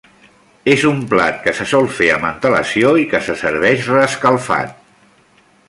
És un plat que se sol fer amb antelació i que se serveix reescalfat.